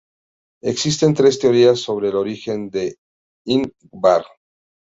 Existen tres teorías sobre el origen de Ingvar.